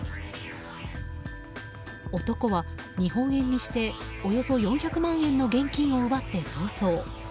男は日本円にしておよそ４００万円の現金を奪って逃走。